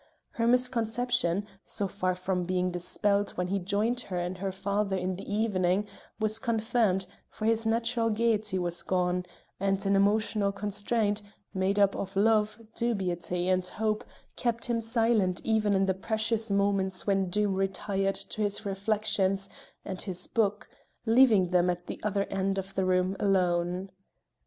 Her misconception, so far from being dispelled when he joined her and her father in the evening, was confirmed, for his natural gaiety was gone, and an emotional constraint, made up of love, dubiety, and hope, kept him silent even in the precious moments when Doom retired to his reflections and his book, leaving them at the other end of the room alone.